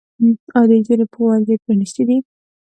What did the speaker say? آیا د نجونو ښوونځي پرانیستي دي؟